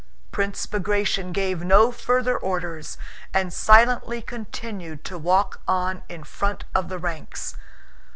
Prince Bagratión gave no further orders and silently continued to walk on in front of the ranks.